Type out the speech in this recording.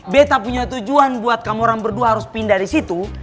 beta punya tujuan buat kamu orang berdua harus pindah di situ